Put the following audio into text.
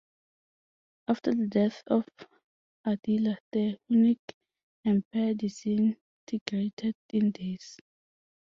After the death of Attila, the Hunnic empire disintegrated in days.